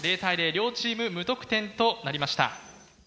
両チーム無得点となりました。